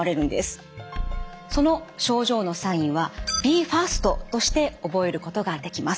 その症状のサインはＢＥＦＡＳＴとして覚えることができます。